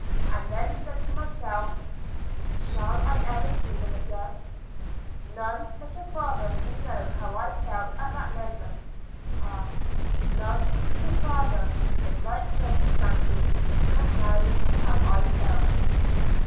and then said to myself, " shall I ever see them again ?" None but a father can know how I felt at that mo ment. Ah, none but a father in like cir cumstances can know how I felt